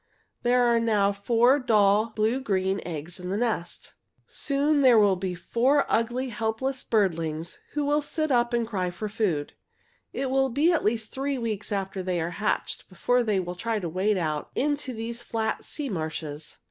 "There are now four dull blue green eggs in the nest. "Soon there will be four ugly, helpless birdlings, who will sit up and cry for food. It will be at least three weeks after they are hatched before they will try to wade out into these flat sea marshes.